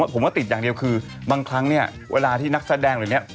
ผมว่าติดอย่างเดียวคือบางครั้งเนี่ยเวลาที่นักแสดงหรือเนี่ย